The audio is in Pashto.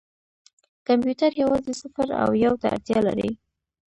کمپیوټر یوازې صفر او یو ته اړتیا لري.